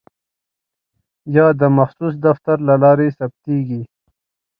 یا د مخصوص دفتر له لارې ثبتیږي.